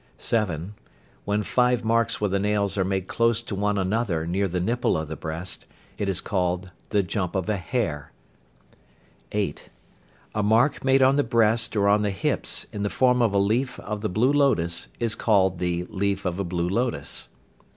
(7). When five marks with the nails are made close to one another near the nipple of the breast, it is called "the jump of a hare." (8). A mark made on the breast or on the hips in the form of a leaf of the blue lotus, is called the "leaf of a blue lotus."